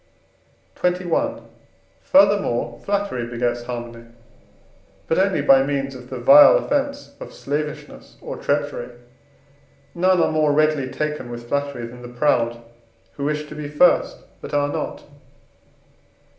XXI. Furthermore, flattery begets harmony; but only by means of the vile offence of slavishness or treachery. None are more readily taken with flattery than the proud, who wish to be first, but are not.